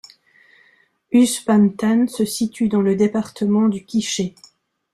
Uspantán se situe dans le département du Quiché.